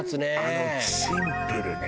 あのシンプルね。